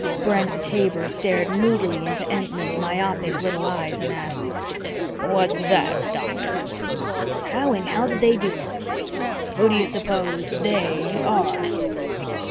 Brent Taber stared moodily into Entman's myopic little eyes and asked, "What's that, Doctor?" "How in hell did they do it?" "Who do you suppose they are?"